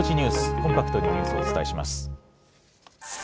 コンパクトにニュースをお伝えします。